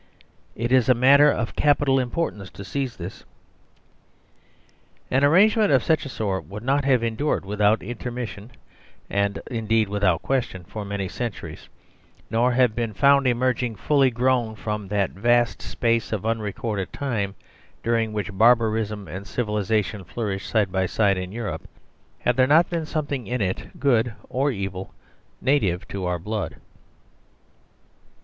It is a matter of capital importance to seize this. An arrangement of such a sort would not have en dured without intermission(and indeed withoutques tion) for many centuries, nor have been found emerg ing fully grown from that vast space of unrecorded time during which barbarism and civilisation flour ished side by sidein Europe, had there not been some thing in it, good or evil, native to our blood.